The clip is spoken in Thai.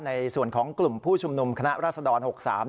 ในส่วนของกลุ่มผู้ชุมนุมคณะราษฎร๖๓